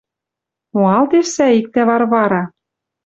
Моалтеш, сӓй, иктӓ Варвара.